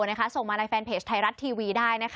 ส่งมาในแฟนเพจไทยรัฐทีวีได้นะคะ